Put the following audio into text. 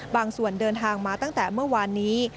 ส่วนเดินทางมาตั้งแต่เมื่อวานนี้